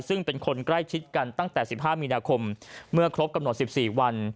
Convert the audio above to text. ซึ่งเป็นคนใกล้ชิดกันตั้งแต่๑๕มีนาคมเมื่อครบกำหนด๑๔วัน